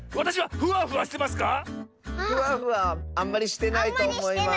フワフワあんまりしてないとおもいます。